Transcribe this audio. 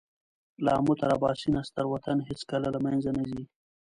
له آمو تر اباسینه ستر وطن هېڅکله له مېنځه نه ځي.